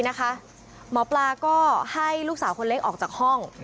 หมอปลาก็ให้ลูกสาวคนเล็กออกจากห้อง